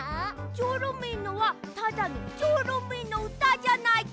チョロミーのはただのチョロミーのうたじゃないか！